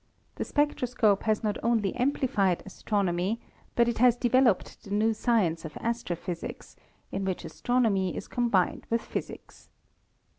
The spectroscope has not only amplified astrono my, but it has developed the new science of astrophysics, in which astronomy is combined with physics.